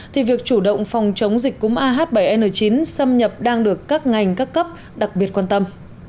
thì việc chủ động phòng chống dịch cúm ah bảy n chín xâm nhập đang được các ngành các cấp đặc biệt quan tâm